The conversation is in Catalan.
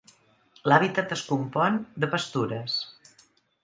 L'hàbitat es compon de pastures.